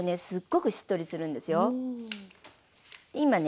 すっごくしっとりするんですよ。ふん。